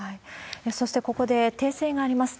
そしてここで訂正があります。